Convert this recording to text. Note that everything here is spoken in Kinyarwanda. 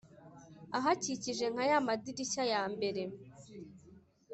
ahakikije nka ya madirishya ya mbere